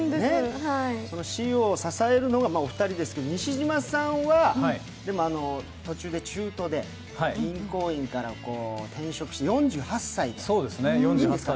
そのＣＥＯを支えるのがお二人ですけど、西島さんは中途で、銀行員から転職して４８歳で、いいんですか？